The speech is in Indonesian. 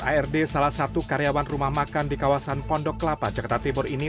ard salah satu karyawan rumah makan di kawasan pondok kelapa jakarta timur ini